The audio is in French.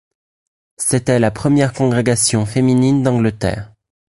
C'était la première congrégation féminine d'Angleterre.